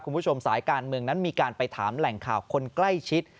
คุณผู้ชมสายการเมืองนั้นมีการไปถามแหล่งข่าวคนใกล้ชิด